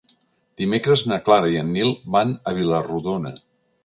Dimecres na Clara i en Nil van a Vila-rodona.